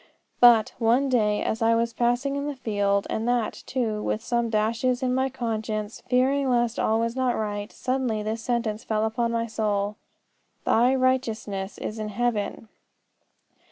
"But, one day, as I was passing in the field, and that, too, with some dashes in my conscience, fearing lest all was not right, suddenly this sentence fell upon my soul, Thy Righteousness is in heaven!